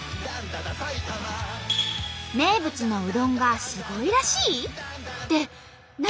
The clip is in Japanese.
名物のうどんがすごいらしい？って何？